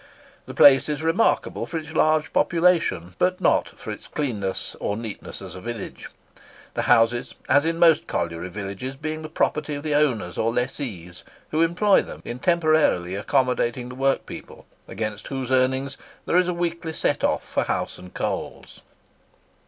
The place is remarkable for its large population, but not for its cleanness or neatness as a village; the houses, as in most colliery villages, being the property of the owners or lessees, who employ them in temporarily accommodating the workpeople, against whose earnings there is a weekly set off for house and coals.